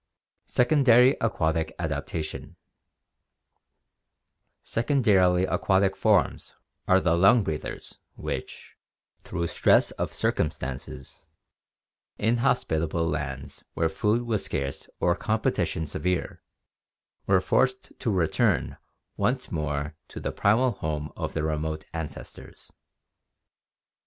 Secondary Aquatic Adaptation Secondarily aquatic forms are the lung breathers which, through stress of circumstances — inhospitable lands where food was scarce or competition severe — were forced to return once more to the AQUATIC ADAPTATION 319 primal home of their remote ancestors.